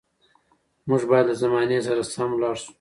موږ باید له زمانې سره سم لاړ شو.